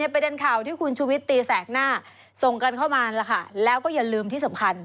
ประเด็นข่าวที่คุณชุวิตตีแสกหน้าส่งกันเข้ามาแล้วค่ะแล้วก็อย่าลืมที่สำคัญ